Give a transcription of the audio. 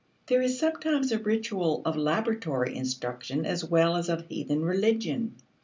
There is sometimes a ritual of laboratory instruction as well as of heathen religion.